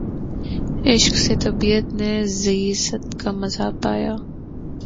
عشق سے طبیعت نے زیست کا مزا پایا